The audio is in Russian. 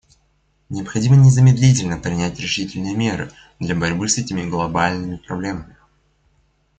Необходимо незамедлительно принять решительные меры для борьбы с этими глобальными проблемами.